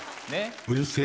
うるせぇ。